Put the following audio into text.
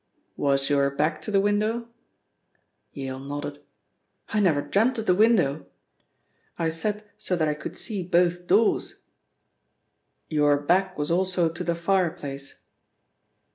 "Was your back to the window?" Yale nodded. "I never dreamt of the window. I sat so that I could see both doors." "Your back was also to the fireplace?"